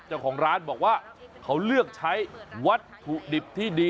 เจ้าของร้านบอกว่าเขาเลือกใช้วัตถุดิบที่ดี